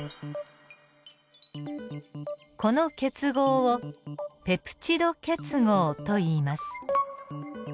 この結合をペプチド結合といいます。